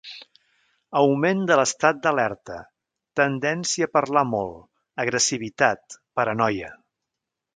Augment de l'estat d'alerta, tendència a parlar molt, agressivitat, paranoia.